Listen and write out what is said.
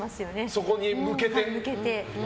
そこに向けて。